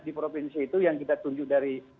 di provinsi itu yang kita tunjuk dari